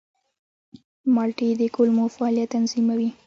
مالټې د کولمو فعالیت تنظیموي.